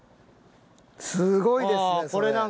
すごいですねそれ。